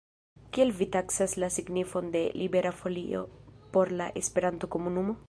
Kiel vi taksas la signifon de Libera Folio por la Esperanto-komunumo?